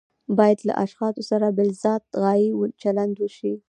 باید له اشخاصو سره د بالذات غایې چلند وشي.